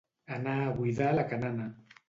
Anar a buidar la canana.